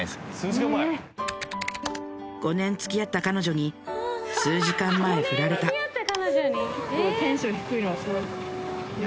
５年つきあった彼女に数時間前フラれたいや